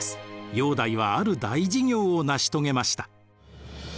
煬帝はある大事業を成し遂げました。